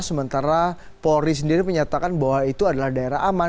sementara polri sendiri menyatakan bahwa itu adalah daerah aman